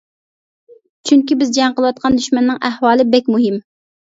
چۈنكى بىز جەڭ قىلىۋاتقان دۈشمەننىڭ ئەھۋالى بەك مۇھىم.